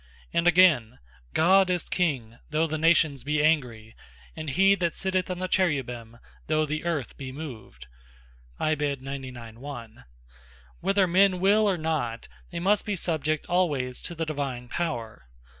(Psal. 96. 1). And again, "God is King though the Nations be angry; and he that sitteth on the Cherubins, though the earth be moved." (Psal. 98. 1). Whether men will or not, they must be subject alwayes to the Divine Power.